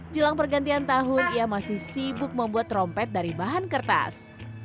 jelang pergantian tahun ia masih sibuk membuat trompet dari bahan kertas